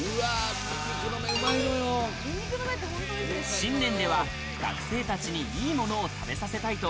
信年では、学生たちにいいものを食べさせたいと。